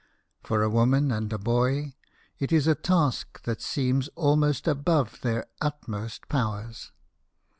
For a woman and a boy, it is a task that seems almost above their utmost powers.